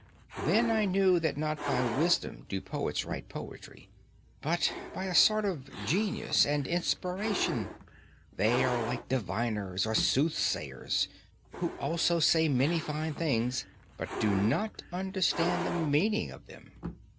Then I knew that not by wisdom do poets write poetry, but by a sort of genius and inspiration; they are like diviners or soothsayers who also say many fine things, but do not understand the meaning of them.